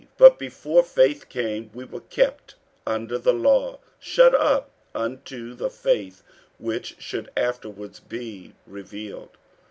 48:003:023 But before faith came, we were kept under the law, shut up unto the faith which should afterwards be revealed.